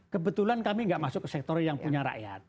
kebetulan kami gak masuk sektor yang punya rakyat